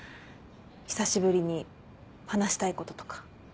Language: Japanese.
久しぶりに話したいこととか。